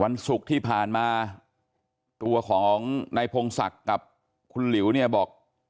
วันศุกร์ที่ผ่านมาตัวของนายพงศักดิ์กับคุณหลิวเนี่ยบอก